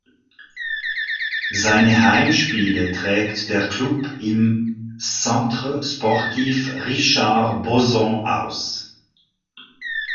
Seine Heimspiele trägt der Club im Centre Sportif Richard Bozon aus.